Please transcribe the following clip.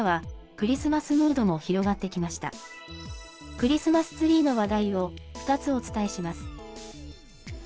クリスマスツリーの話題を、２つお伝えします。